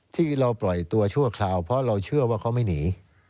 ที่เราปล่อยตัวชั่วคราวเพราะเราเชื่อว่าเขาไม่หนี